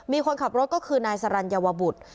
มีคนขับรถก็คือนายสรรวบุตร